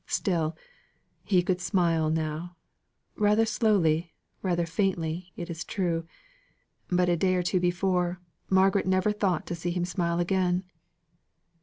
Still, he could smile now rather slowly, rather faintly, it is true; but a day or two before, Margaret never thought to see him smile again.